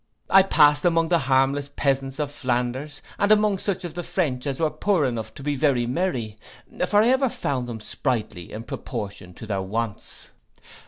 I passed among the harmless peasants of Flanders, and among such of the French as were poor enough to be very merry; for I ever found them sprightly in proportion to their wants.